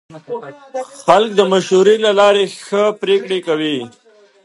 خلک د مشورې له لارې ښه پرېکړې کوي